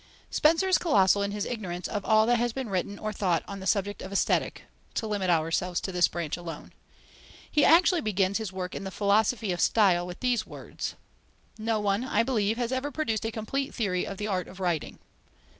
Spencer is colossal in his ignorance of all that has been written or thought on the subject of Aesthetic (to limit ourselves to this branch alone). He actually begins his work on the Philosophy of Style with these words: "No one, I believe, has ever produced a complete theory of the art of writing."